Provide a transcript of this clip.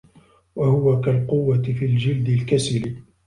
وَهُوَ كَالْقُوَّةِ فِي الْجِلْدِ الْكَسِلِ